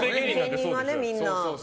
芸人はね、みんな。